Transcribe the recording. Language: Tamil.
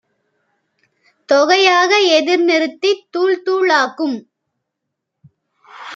தொகையாக எதிர்நிறுத்தித் தூள் தூளாக்கும்